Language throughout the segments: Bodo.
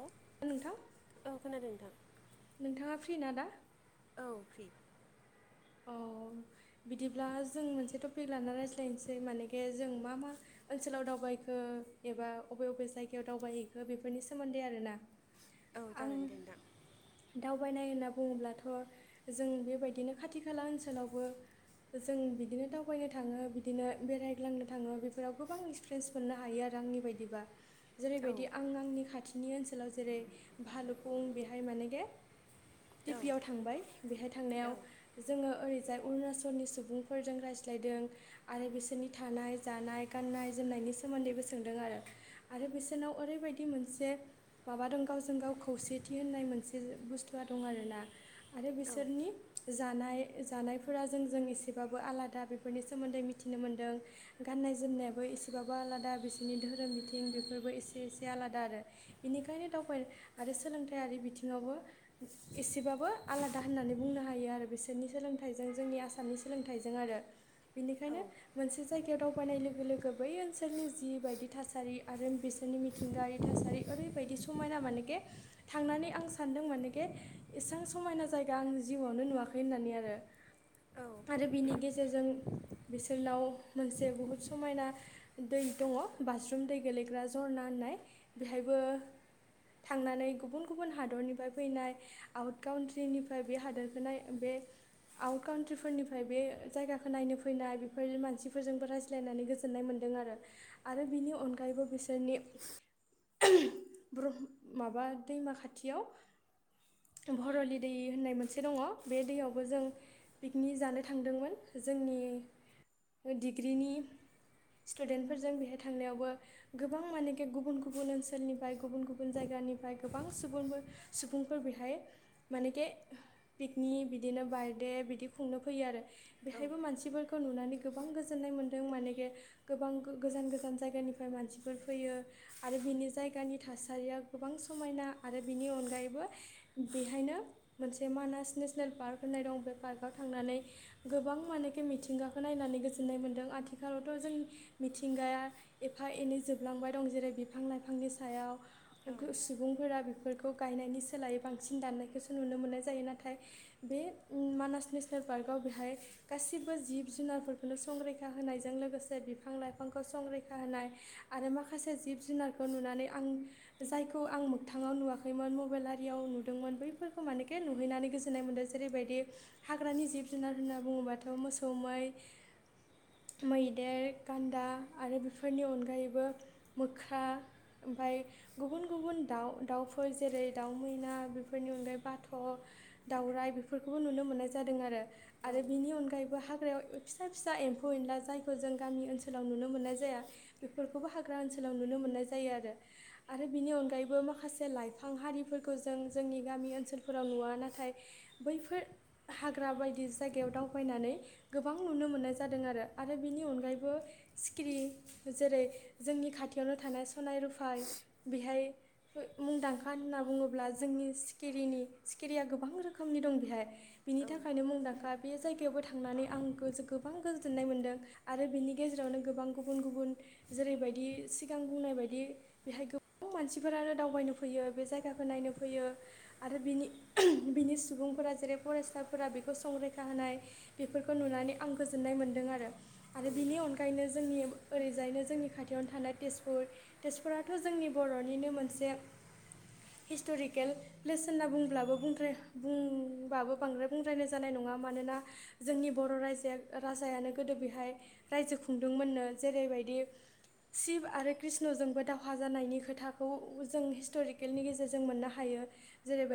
औ नोंथां औ खोनादों नोंथां नोंथाङा फ्रि ना दा? औ फ्रि औ बिदिब्ला जों मोनसे टपिक लानानानै रायज्लायनोसै मानेखे जों मा मा ओनसोलाव दाव बायखो एबा बबे बबे जायगायाव दावबायहैखो बेफोरनि सोमोन्दै आरोना औ जागोन दे नोंथां थाबायनाय होनना बुङोब्लाथ' जों बेबायदिनो खाथि खाला ओनसोलावबो जों बिदिनो दावबायनो थाङो बिदिनो बेरायग्लांनो थाङो बेफोराव गोबां एक्सपिरियेन्स मोननो हायो आरो आंनि बायदिबा औ जेरैबायदि आं आंनि खाथिनि ओनसोलाव जेरै भालुफुं बेहाय मानेगे औ टिप्पि आव थांबाय बेहाय औ थांनायाव जोङो ओरैजाय अरुणाचलनि सुबुंफोरजों रायज्लायदों आरो बिसोरनि थानाय जानाय गान गाननाय जोमनायनि सोमोन्दैबो सोंदों आरो आरो बिसोरनाव ओरैबायदि मोनसे माबा दं गावजों गाव खौसेथि होननाय मोनसे बुस्थुआ दं आरोना आरो औ बिसोरनि ज नाय जानायफोरा जों जों एसेबो आलादा बेफोरनि सोमोन्दै मिथिनो मोनदों गाननाय जोम एसेसाबो आलादा बिसोरनि धोरोम बिथिं बेफोरबो एसे एसे आलादा आरो बेनिखायनो दं आरो सोलोंथायारि बिथिङावबो एसेबाबो आलादा होननानै बुंनो हायो आरो बिसोरनि सोलोंथाइजों जोंनि आसामनि सोलोंथाइजों आरो औ बेनिखायनो मोनसे जायगायाव दाव बायनाय लोगो लोगो बै ओनसोलनि जि बायदि थासारि आरो बिसोरनि मिथिंगायारि थासारि ओरैबायदि समायना मानेेखे थांनानै आं सानदों मानेेखे इसेबां समायना जायगा आं जिउआवनो नुवाखै होननानै आरो औ आरो बिनि गेजेरजों बिसोरनाव मोनसे बुहुत समायना दै दङ बाज्रुम दै गोेलैग्रा जरना होननाय बेहायबो थांनानै गुबुन गुबुन हादरनिफ्राय फैनाय आउट काउट्रिनिफ्राय बे हादरखो नाय बे आउट काउट्रिफोरनिफ्राय बे जायगाखौ नायनो फैनाय बेफोर मानसिफोरजोंबो रायज्लाय नै गोजोन्नाय मोन्दों आरो आरो बिनि अनगायैबो बिसोरनि माबा दैमा खाथियाव भरलि दै होननाय मोनसे दङ बे दैयावबो जों पिकनिक जानो थांदोंमोन जोंनि डिग्रिनि स्टुडेन्टफोरजों बेहाय थांनायावबो गोबां मानेखि गुबुन गुबुन ओनसोलनिफ्राय गुबुन गुबुन जायगा निफ्राय गोबां सुबुं सुबुंफोर बेहाय मानेखे नि बिदिनो बार्डे बिदि खुंनो फैयो आरो नोंथां बेहायबो औ मानसिफोरखौ नुनानै गोबां गोजोन्नाय मोनदों मानेेखे गोबां गोजान गोजान जायगानिफ्राय मानसिफोर फैयो आरो बिनि जायगानि थासारिया गोबां समायना आरो बिनि अनगायैबो बेहायनो मोनसे मानास नेस नेल पार्क होननाय दं बे पार्कआव थांनानै गोबां मानेखे मिथिंगाखौ नायनानै गोजोननाय मोनदों आथि आथिखालावथ' जों मिथिंगाया एफा एनै जोबलांबाय दं जेरै बिफां लाइफांनि सायाव गु सुबुंफोरा बेफोरखौ गायनायनि सोलायै बांसिन दाननायखौसो नुनो मोननाय जायो नाथाय बे मानास नेसनेल पार्कआव बेहाय गासिबो जिब जुनारफोरखौनो संरैखा होनायजों लोगोसे बिफां लाइफांखौ संरैखा होनाय आरो माखासे जिब जुनारखौ नुनानै आं जायखौ आं मोगथाङाव नुवाखैमोन मबाइलारियाव नुदोंमोन बैफोरखौ मानेखे नुहैनानै गोजोननाय मोनदों जेरैबायदि हाग्रानि जिब जुनार होनना बुङोबाथ' मोसौ मै मैदेर गान्दा आरो बेफोरनि अनगायैबो मोख्रा ओमफाय गुबुन गुबुन दाउ दाउफोर जेरै दाउ मैना बेफोरनि अनगायै बाथ'। दावराइ बेफोरखौबो नुनो मोननाय जादों आरो नोंथां आरो औ बेनि अनगायैबो हा ग्रायाव फिसा फिसा एम्फौ एनला जाय जों गामि ओनसोलाव नुनो मोननाय जाया बेफोरखौबो हाग्रा ओनसोल लाव‌ नुनो मोननाय जायो आरो आरो बिनि अनगायैबो माखासे लाइफां हारिफोरखौ जों जोंनि गामि गामि ओनसोलफोराव नुवा नाथाय बैफोर हाग्रा बायदि जायगायाव दावबायनानै गोबां नुनो मोननाय जादों आरो आरो बेनि अनगायैबो सिखिरि जेरै जोंनि खाथियावनो थानाय सनाय रुफाय बेहाय मुंदांखा होनना बुङोब्ला जोंनि सिखिरिनि सिखिरिया गोबां रोखोम रोखोमनि दं बेहाय बिनि नोंथां औ नोंथां थाखायनो मुंदांखा बे जायगायावबो थांनानै आं गो गोबां गोजोननाय मोन्दों आरो बेनि गेजेरावनो गोबां गुबुन गुबुन जेरैबायदि सिगां बुंनाय बायदि बेहाय गो बां मानसिफोरानो दावबायनो फैयो बे जायगाखौ नायनो फैयो आरो बिनि-बिनि सुबुंफोरा जेरै फरायसाफोरा बेखौ संरैखा होनाय बेफोरखौ नुनानै आं गोजोननाय मोनदों आरो। आरो बेनि अनगायैनो जोंनि ओरैजायनो जोंनि खाथियावनो थानाय तेजपुर तेजपुराथ' जोंनि बर'निनो मोनसे हिस्ट'रिकेल प्लेस होनना बुंब्लाबो बुंद्राय बुं बाबो बांद्राय बुंद्रायनाय जानाय नङा मानोना जोंनि बर' रायजा राजायानो गोदो बेहाय रायजो खुंदोंमोननो जेरैबायदि शिब आरो कृष्णजोंबो दावहा जानायनि खोथाखौ जों हिस्ट'रिकेलनि गेजेरजों मोननो हायो।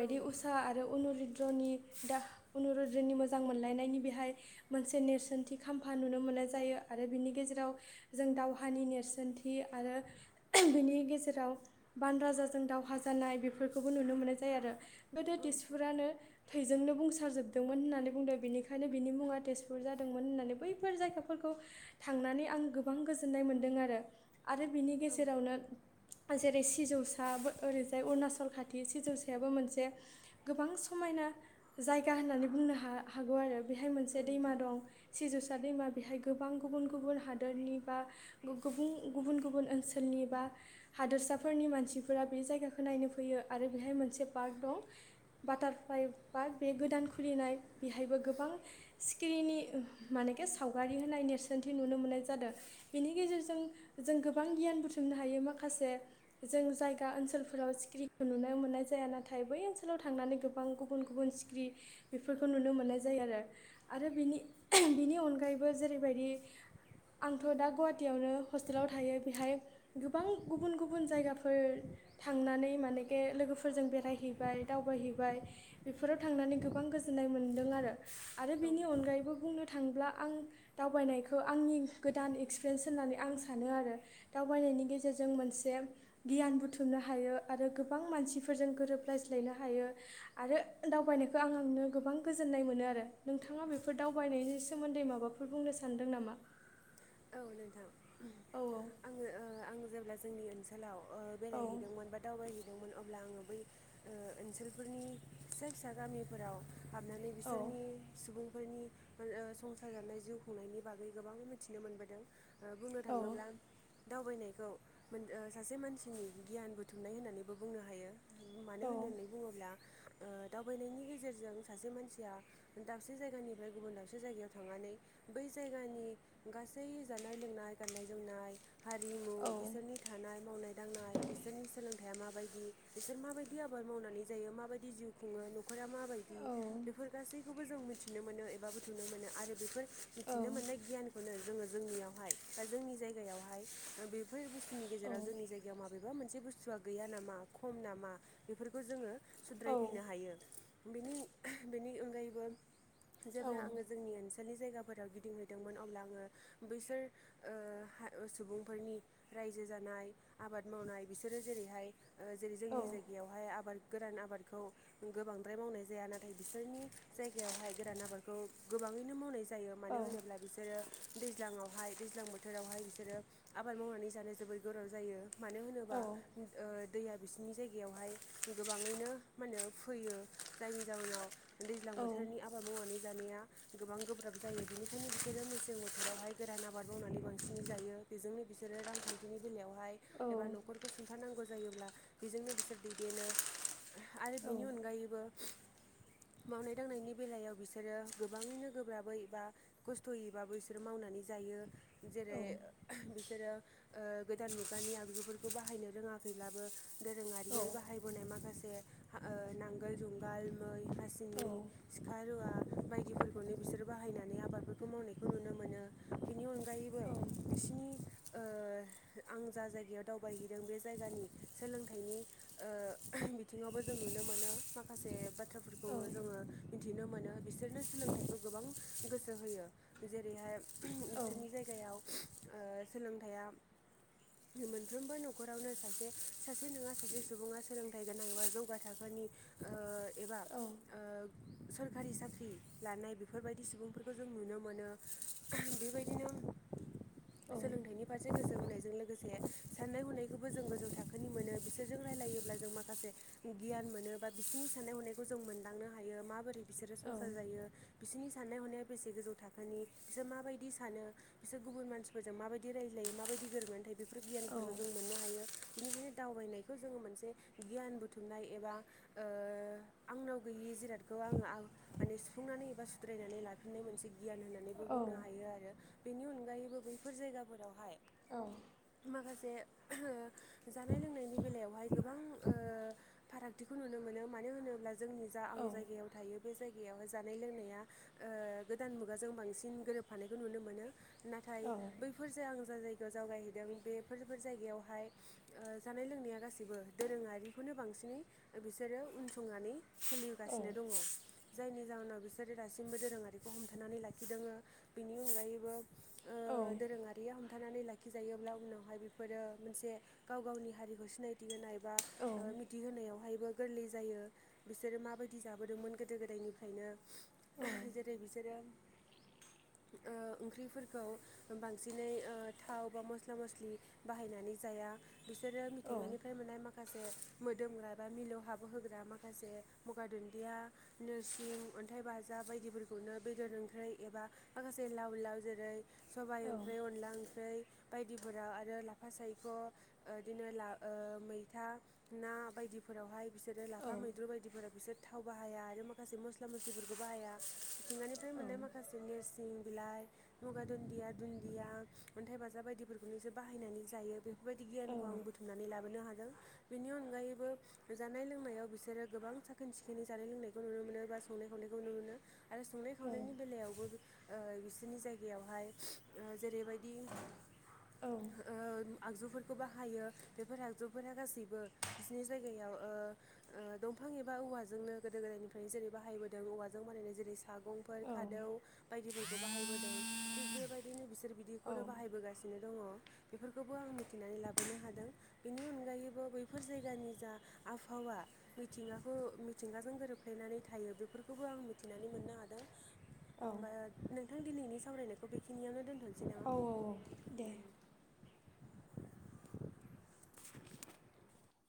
औ उसा आरो अनुद्रनि मोजां मोनलायनायनि बेहाय मोनसे नेरसोनथि खाम्फा नु नुनो मोननाय जायो आरो बिनि गेजेराव जों दावहानि नेरसोनथि आरो बिनि गेजेराव बान राजाजों दावहा जानाय बेफोरखौबो नुनो मोननाय जायो आरो गोदो रानो थैजोंनो बुंसार जोबदोंमोन होननानै बुंदों बेनिखायनो बिनि मुङा तेजपुर जादोंमोन होननानै बैबो फोर जायगाफोरखौ थांनानै आं गोबां गोजोननाय मोनदों आरो। आरो बिनि गेजेरावनो जेरै सिजौसाबो ओरैजाय अरुणाचल खाथि सिजौसायाबो मोनसे गोबां समायना जायगा होननानै बुंनो हा हागौ आरो। बेहाय मोनसे दैमा नोंथां दं सिंजों सा दैमा बेहाय गोबां गुबुन गुबुन हादोरनि बा गुबुन गुबुन गुबुन ओनसोलनि बा हादसाफोरनि मानसिफोरा बे जायगाखौ नायनो फैयो आरो बेहाय मोनसे पार्क दं। बाटारफ्लाइ पार्क बे गोदान खुलिनाय बेहायबो गोबां सिखिरिनि माने सावगारि होनाय नेरसोनथि नुनो मोननाय जादों बेनि गेजेरजों जों गोबां गियान बुथुमनो हायो। यो माखासे जों जायगा ओनसोलफोराव सखिरिखौ नुनो मोननाय जाया नाथाय बै ओनसोलाव थां थांनानै गोबां गुबुन गुबुन सिखिरि बेफोरखौ नुनो मोननाय जायो आरो आरो बिनि अनगायैबो जेरैबायदि आंथ' दा गुवाहाटियावनो हस्टेलाव थायो बेहाय गोबां गुबुन गुबुन जायगाफोर थांनानै मानेखे लोगोफोरजों बेरायहैबाय दावबायहैबाय बेफोराव थांनानै गोबां गोजोननाय मोनदों आरो। आरो बेनि अनगायैबो बुंनो थांङोब्ला। आं दावबायनायखौ आंनि गोदान एक्सपिरिेन्स होननानै आं सानो आरो दावबायनायनि गेजेर जों मोनसे गियान बुथुमनो हायो आरो गोबां मानसिफोरजों गोरोबलाय नो हायो आरो दावबायनायखौ आं आंनो गोबां गोजोन्नाय मोनो आरो नोंथाङा बेफोर दावबाय बेनि सोमोन्दै माबाफोर बुंनो सानदों नामा? औ नोंथां आङो ओ आं जेब्ला जोंनि ओनसोलाव ओ बेरायहैदोंमोन बा दावबायहैदोंमोन अब्ला आङो बै ओनसोलफोरनि फिसा फिसा गामिफोराव हाबनानै बिसोरनि सुबुंफोरनि ओ संसार जानाय जिउ खुंनायनि बागै गोबां मिथि नो मोनबोदों। औ। दावबायनायखौ मोन सासे मानसिनि गियान बुथुमनाय होननानैबो बुंनो हायो। मानो होननानै बुङोब्ला ओ दावबायनायनि गेजेरजों सासे मानसिया दाबसे जायगानिफ्राय गुबुन दाबसे जायगायाव थांनानै नै बै जायगानि गासै जानाय लोंनाय गाननाय जोमनाय हारिमु बिसोरनि थानाय मावनाय दांनाय बिसोरनि सोलोंथाइया माबोर बायदि बिसोर माबायदि आबाद मावनानै जायो माबायदि जिउ खुङो नखरा माबायदि बेफोर गासैखौबो जों मिथिनो मोनो एबा बुथुमनो मोनो आरो बे फोर मिथिनो मोननाय गियानखौनो जोङो जोंनियावहाय बा जोंनि जायगायावहाय बे फोर बुस्थुनि गेजेराव जोंनि जायगायाव माबेबा मोनसे बुस्थुआ गैया नामा खम नामा बेफोरखौ जोङो सुद्रायफैनो हायो बेनि बेनि अनगायैबो जेब्ला आङो जोंनि ओनसोलनि जायगाफोराव गिदिंहैदोंमोन अब्ला आं ङो बैसोर ओ हा सुबुंफोरनि रायजो जानाय आबाद मावनाय बिसोरो जेरैहाय ओ जेरै जोंनि जायगायावहाय आबाद गोरान आबादखौ गोबांद्राय मावनाय जाया नाथाय बिसोरनि जायगायावहाय गोरान आबादखौ गोबां ङैनो मावनाय जायो मानो होनोब्ला बिसोरो दैज्लाङावहाय दैज्लां बोथोरावहाय बिसोरो आबाद मावनानै जानो जोबोर गोब्राब जायो। मानो होनोबा ओ दैया बिसिरनि जायगायावहाय गोबाङैनो माहोनो फोयो जायनि जाहोनाव दैज्लां बोथोरनि आबाद मावनानै जानाया गोबां गोब्राब जायो बिनिखायनो बिसोरो मेसें बो थोरावहाय गोरान आबाद मावनानै बांसिन जायो बेजोंनो बिसोरो रांखान्थिनि बेलायावहाय एबा न'खरखौ सुंथानांगौ जायोब्ला बेजोंनो बिसोर दैदेनो आरो बिनि अनगायैबो मावनाय दांनायनि बेलायाव बिसोरो गोबाङैनो गोब्राबै एबा खस्थ'यैबाबो सोर मावनानै जायो जेरै बिसोरो ओ गोदान मुगानि आगजुफोरखौ बाहा यनो रोङाखैब्लाबो दोरोङारियै बाहायबोनाय माखासे हा ओ नागोल जौगालु मै हास सिनि सिखा रुवा बायदिफोरखौनो बिसोर बाहायनानै आबादफोरखौ मावनायखौ नुनो मोनो बिनि अनगायैबो बिसिनि ओ [inaudible] आं जा जायगायाव दावबायहैदों बे जायगानि सोलोंथाइनि ओ बिथिङावबो जों नुनो मोनो माखासे बाथ्राफोरखौ जोङो मिनथिनो मोनो बिसोरनो सोलोंथाइखौ गोबां गोसो होयो। जे रैहाय बिसोरनि जायगायाव सोलोंथाइया मोनफ्रोमबो न'खरावनो सासे सासे नङा सासे सुबुङा सोलोंथाइ गोनां एबा जौगा थाखो नि ओ एबा ओ सरखारि साख्रि लानाय बेफोरबायदि सुबुंफोरखौ जों नुनो मोनो। बेबायदिनो सोलोंथाइनि फारसे गोसो होनायजों [inaudible] लोगोसे साननाय हनायखौबो जों गोजौ थाखोनि मोनो बिसोरजों रायलायोब्ला जों माखासे गियान मो नो बिसोरनि साननाय हनायखौ जों मोनदांनो हायो माबोरै बिसोरो संसार जायो, बिसोरनि साननाय हनाया बेसे गोजौ थाखोनि, बिसोर माबायदि सानो, बिसोर गुबुन मानसिफोरजों माबायदि रायज्लायो माबायदि गोरोबनानै थायो बे फोर गियानफोरखौ जों मोननो हायो। बिनिखायनो दावबायनायखौ जोङो मोनसे गियान बुथुमनाय एबा ओ आंनाव गैयि जिराद खौ आङो आं माने सुफुंनानै एबा सुद्रायनानै लाफिननाय मोनसे गियान होनना बो बुंनो हायो आरो बेनि अनगायैबो बैफोर जायगाफोरावहाय औ जे जानाय लोंनायनि बेलायावहाय गोबां ओ फारागथिखौ नुनो मोनो मान [inaudible] जोंनि जा आं जायगायाव थायो बे जायगायावहाय जानाय लोंनाया ओ गोदान मुगा जों बांसिन गोरोबफानायखौ नुनो मोनो। नाथाय बैफोर जे आं जा जाय जावगायहैदों बेफोरबो जायगायावहाय ओ जानाय लोंनाया गासिबो दोरोङारिखौनो बांसिन बिसिनि बिसोरो उन संनानै सोलिगासिनो दङ। जायनि जाहोनाव बिसोरो दासिमबो दोरोङारिखौ हमथानानै लाखिदोङो। बिनि अनगायैबो ओ दोरोङारिया हमथानानै ला खि जायोब्ला उनावहाय बेफोरो मोनसे गाव गावनि हारिखौ सिनायथि होनाय बा ओ मिथिहोनायावहायबो गोरलै जायो बिसोरो माबायदि जाबोदोंमोन गोदो गोदायनिफ्रायनो जेरै बिसोरो ओ ओंख्रिफोरखौ बांसिनै थाव बा मस्ला मस्लि बाहायनानै ज जाया बिसोरो मिथिंगानिफ्राय मोननाय माखासे माखासे मोदोमग्रा बा मिलौ हाबो होग्रा माखासे मगा दुन्दिया नोरसिं अन्थाइ बाजाब बायदिफोरखौनो बेदर ओंख्रि एबा माखासे लाव लाव जेरै सबाइ ओंख्रि अनला ओंख्रि बायदिफोराव आरो लाफा सायख' ओ बिदिनो दा ओ मैथा ना बायदिफोराव हाय बिसोरो लाफा मैद्रु बायदिफोराव बिसोर थाव बाहाया आरो माखासे मस्ला मस्लिफोरखौ बाहाया मिथिंगानिफ्राय मोननाय माखासे निस निम बिलाइ, मगा दुन्दिया, दुन्दिया, अन्थाइ बाजाब बायदिफोरखौनो बिसोरो बाहायनानै जायो। बेफोरबायदि गियानखौ आं बुथुमनानै लाबोनो हादों बेनि अनगायैबो जानाय लोंनायाव बिसोरो गोबां साखोन सिखोनै जानाय लोंनायखौ नुनो मोनो बा संनाय खावनायखौ नुनो मोनो आरो संनाय खावनायनि बेलायावबो ओ बिसोरनि जायगायावहाय जेरैबायदि ओ आगजु फोर बाहायो बेफोर आगजुफोरा गासैबो बिसिनि जायगायाव ओ ओ दंफां एबा औ। औवाजोंनो गोदो गोदायनिफ्रायनो जेरै बाहायबोदों औवाजों बानायनाय जेरै सागंफोर खादौ बायदिफोरखौ बाहायबोदों थिग बेबायदिनो बि बिसोर बिदिखौनो बाहायबोगासिनो दङ बेफोरखौबो आं मिथिनानै लाबोनो हादों बेनि अनगायैबो बैफोर जायगानि जा आबहाव वा मिथिंखौ मिथिंगाजों गोरोब्लेनानै थायो बेफोरखौबो आं मिथिनानै मोननो हादों होमबा नोंथां दिनैनि सावरायनायखौ बेखिनियावनो दोन्थ' औ औ दे